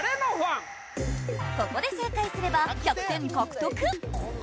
ここで正解すれば１００点獲得！